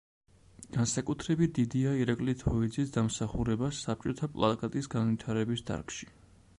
განსაკუთრებით დიდია ირაკლი თოიძის დამსახურება საბჭოთა პლაკატის განვითარების დარგში.